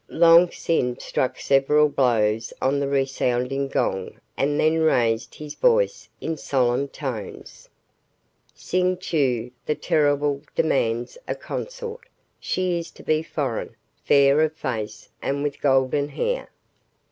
Long Sin struck several blows on the resounding gong and then raised his voice in solemn tones. "Ksing Chau, the Terrible, demands a consort. She is to be foreign fair of face and with golden hair."